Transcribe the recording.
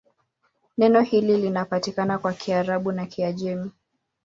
Neno hili linapatikana kwa Kiarabu na Kiajemi.